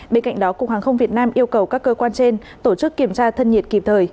bên cạnh đó cục hàng không việt nam yêu cầu các cơ quan trên tổ chức kiểm tra thân nhiệt kịp thời